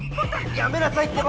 やめなさいってば！